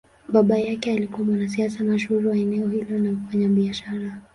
Baba yake alikuwa mwanasiasa mashuhuri wa eneo hilo na mfanyabiashara.